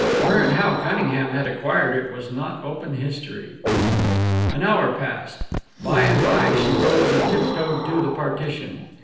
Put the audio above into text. Where and how Cunningham had acquired it was not open history. An hour passed. By and by she rose and tiptoed to the partition.